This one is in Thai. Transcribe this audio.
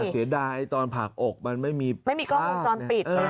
เสียดายตอนผากอกมันไม่มีภาพ